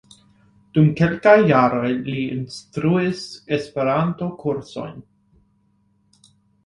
Dum kelkaj jaroj li instruis Esperanto-kursojn.